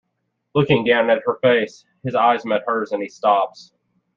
Looking down at her face, his eye meets hers, and he stops.